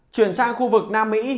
chuyển sang khu vực nam mỹ